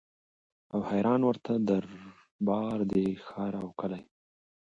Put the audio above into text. او حیران ورته دربار دی ښار او کلی